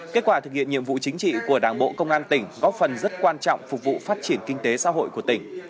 kết quả thực hiện nhiệm vụ chính trị của đảng bộ công an tỉnh góp phần rất quan trọng phục vụ phát triển kinh tế xã hội của tỉnh